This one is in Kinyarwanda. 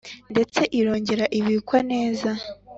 Ndetse irongera ibikwa neza